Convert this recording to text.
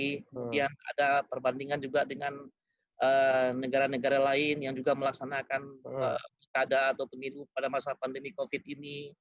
kemudian ada perbandingan juga dengan negara negara lain yang juga melaksanakan pilkada atau pemilu pada masa pandemi covid ini